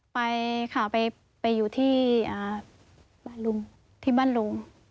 ไปค่ะไปอยู่ที่บ้านลุง